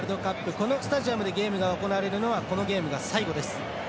このスタジアムでゲームが行われるのはこのゲームが最後です。